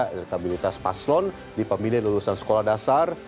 elektabilitas paslon di pemilihan lulusan sekolah dasar